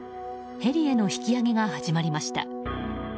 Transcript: ヘリへの引き上げが始まりました。